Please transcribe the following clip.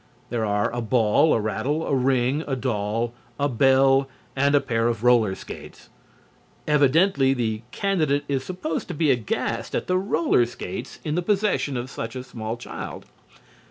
There are a ball, a rattle, a ring, a doll, a bell and a pair of roller skates. Evidently, the candidate is supposed to be aghast at the roller skates in the possession of such a small child.